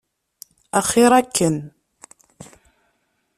Axir akken.